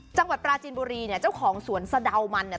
จังหวัดปราจีนบุรีเนี่ยเจ้าของสวนสะดาวมันเนี่ย